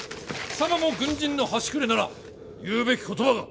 貴様も軍人の端くれなら言うべき言葉が。